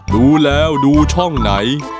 ดูแล้วดูช่องไหน